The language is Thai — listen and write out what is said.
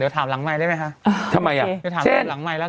เดี๋ยวถามหลังใหม่ได้ไหมคะทำไมอ่ะเดี๋ยวถามหลังใหม่แล้ว